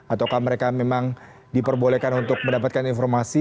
ataukah mereka memang diperbolehkan untuk mendapatkan informasi